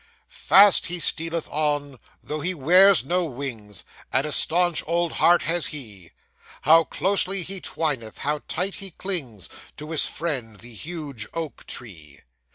Fast he stealeth on, though he wears no wings, And a staunch old heart has he. How closely he twineth, how tight he clings To his friend the huge Oak Tree!